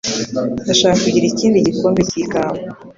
Ndashaka kugira ikindi gikombe cy'ikawa.